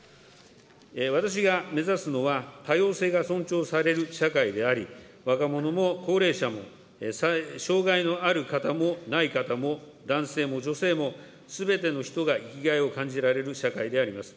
私が目指すのは、多様性が尊重される社会であり、若者も高齢者も障害のある方もない方も、男性も女性も、すべての人が生きがいを感じられる社会であります。